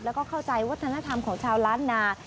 แล้วก็เข้าใจวัฒนธรรมของชาวล้านนา